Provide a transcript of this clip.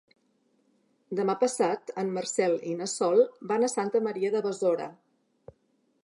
Demà passat en Marcel i na Sol van a Santa Maria de Besora.